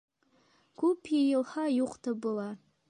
Күп йыйылһа юҡ табыла.